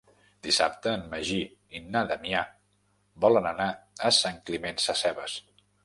Dissabte en Magí i na Damià volen anar a Sant Climent Sescebes.